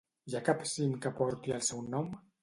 Hi ha cap cim que porti el seu nom?